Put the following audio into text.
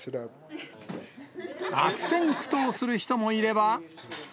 悪戦苦闘する人もいれば。